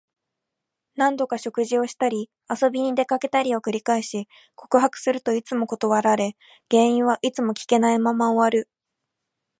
何度か食事をしたり、遊びに出かけたりを繰り返し、告白するといつも断られ、原因はいつも聞けないまま終わる。